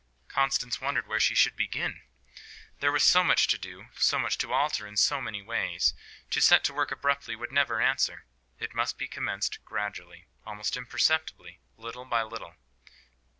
Constance wondered where she should begin. There was so much to do; so much to alter in so many ways. To set to work abruptly would never answer. It must be commenced gradually, almost imperceptibly, little by little.